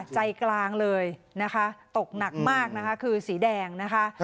ใจกลางเลยนะคะตกหนักมากนะคะคือสีแดงนะคะ